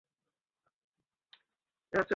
বউকে নিয়ে আয়।